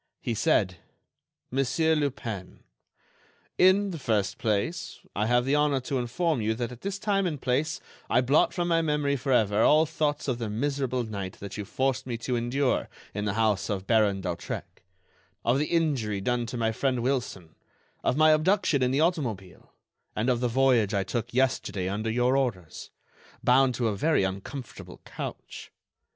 He said: "Monsieur Lupin, in the first place I have the honor to inform you that at this time and place I blot from my memory forever all thoughts of the miserable night that you forced me to endure in the house of Baron d'Hautrec, of the injury done to my friend Wilson, of my abduction in the automobile, and of the voyage I took yesterday under your orders, bound to a very uncomfortable couch.